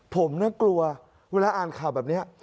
ผมน่ากลัวเวลาอ่านข่าวแบบนี้